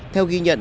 theo ghi nhận